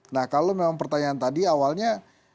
nah kalau memang pertanyaan tadi awalnya